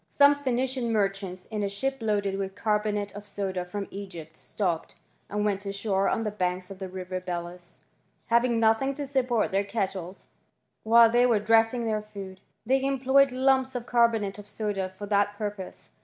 Some Phoenician merchants, a ship loaded with carbonate of soda from Egypt, pped, and went ashore on the banks of the river us : having nothing to support their kettles while y were dressing their food, they employed lumps of bonate of soda for that purpose.